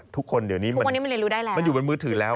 ทุกคนเดี๋ยวนี้มันอยู่บนมือถือแล้ว